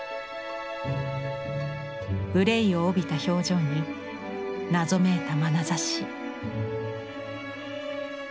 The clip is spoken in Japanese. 愁いを帯びた表情に謎めいたまなざし。